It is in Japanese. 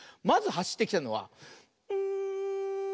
まずはしってきたのはん。